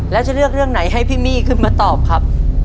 แล้วจะเลือกเรื่องไหนให้พี่มี่ขึ้นมาตอบครับ